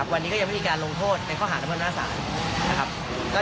วันนี้ก็ยังไม่มีการลงโทษในข้อหาดระเมิดอำนาจศาล